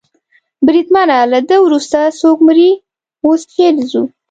بریدمنه، له ده وروسته څوک مري؟ اوس چېرې ځو؟